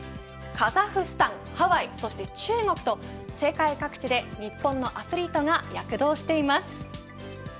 カザフスタン、ハワイそして中国と世界各地で日本のアスリートが躍動しています。